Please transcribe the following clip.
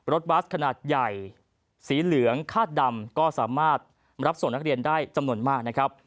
บัสขนาดใหญ่สีเหลืองคาดดำก็สามารถรับส่งนักเรียนได้จำนวนมากนะครับ